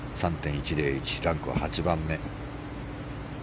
３．１０１ランクは８番目。